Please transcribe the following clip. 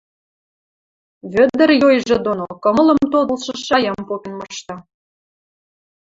Вӧдӹр йойжы доно кымылым тодылшы шаям попен мышта.